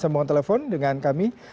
sambungan telepon dengan kami